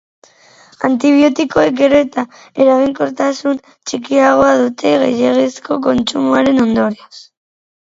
Antibiotikoek gero eta eraginkortasun txikiagoa dute gehiegizko kontsumoaren ondorioz.